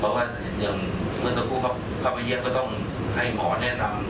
เพราะว่าอย่างเมื่อสักครู่เขาไปเยี่ยมก็ต้องให้หมอแนะนำ